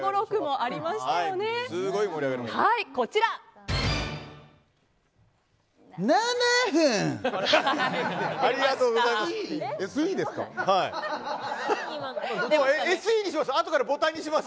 ありがとうございます。